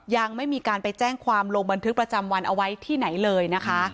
ยังไม่มีการไปแจ้งความลงบันทึกประจำวันเอาไว้ที่ไหนเลยนะคะ